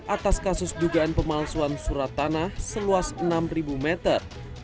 atas kasus dugaan pemalsuan surat tanah seluas enam meter